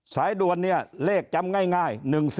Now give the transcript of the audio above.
สายดวนนี้เลขจำง่าย